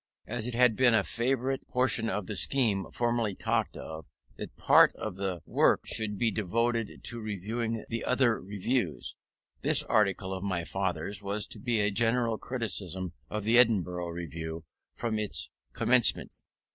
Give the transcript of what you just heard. As it had been a favourite portion of the scheme formerly talked of, that part of the work should be devoted to reviewing the other Reviews, this article of my father's was to be a general criticism of the Edinburgh Review from its commencement.